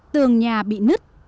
tường nhà bị nứt